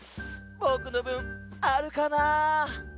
ぼくのぶんあるかなぁ？